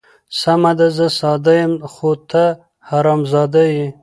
سمه ده زه ساده یم، خو ته حرام زاده یې.